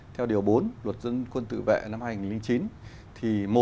theo điều bốn luật dân quân tự vệ năm hai nghìn chín